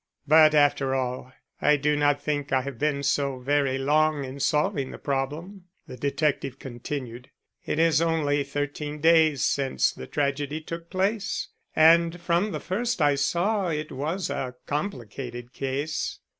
"But, after all, I do not think I have been so very long in solving the problem," the detective continued. "It is only thirteen days since the tragedy took place, and from the first I saw it was a complicated case.